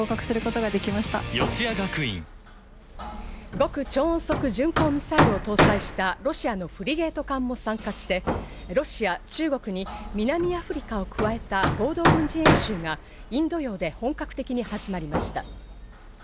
極超音速巡航ミサイルを搭載したロシアのフリゲート艦も参加して、ロシア、中国に南アフリカを加えた合同軍事演習がインド洋で本格的に始まりました。